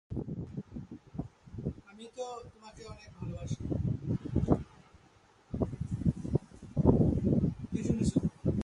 এ ধরনের ব্রিগেডের commanding officer ছিলেন লেফটেন্যান্ট কর্নেল।